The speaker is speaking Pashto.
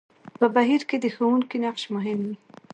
په بهير کې د ښوونکي نقش مهم وي.